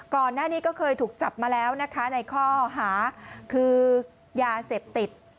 ก่อนหน้านี้ก็เคยถูกจับมาแล้วนะคะในข้อหาคือยาเสพติด